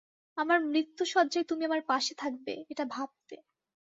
আমার মৃত্যুশয্যায় তুমি আমার পাশে থাকবে এটা ভাবতে।